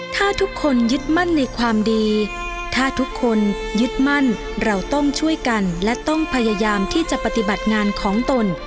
ถ้าทุกคนยึดมั่นในความดีถ้าทุกคนยึดมั่นเราต้องช่วยกันและต้องพยายามที่จะปฏิบัติงานของตน